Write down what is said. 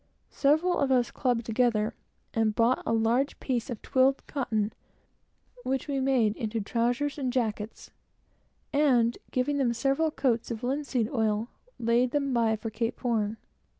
Several of us clubbed together and bought a large piece of twilled cotton, which we made into trowsers and jackets, and giving them several coats of linseed oil, laid them by for Cape Horn.